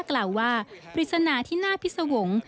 กล่าวว่าปริศนาที่น่าพิสวงศ์